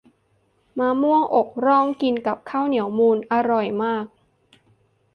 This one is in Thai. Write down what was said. มะม่วงอกร่องกินกับข้าวเหนียวมูนอร่อยมาก